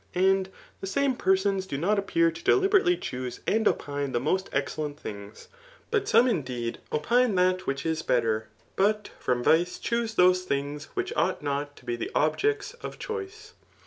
And the same persons do not appear to deliberately choose and opine the most excellent things ; but some, mdeed opine that which is better, but from vice choose those things which ought not to be the objects of dioice.